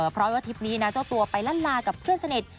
เพราะว่าทิพย์นี้นะเจ้าตัวไปล่ากับเพื่อนเสน็จ